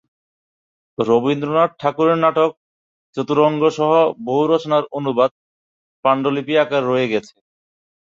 রবীন্দ্রনাথ ঠাকুরের নাটক "চতুরঙ্গ" সহ বহু রচনার অনুবাদ পাণ্ডুলিপি আকারে রয়ে গেছে।